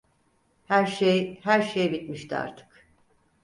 Her şey, her şey bitmişti artık…